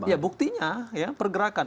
ya buktinya ya pergerakan